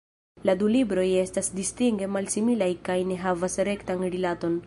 La du libroj estas distinge malsimilaj kaj ne havas rektan rilaton.